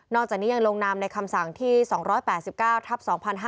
จากนี้ยังลงนามในคำสั่งที่๒๘๙ทับ๒๕๕๙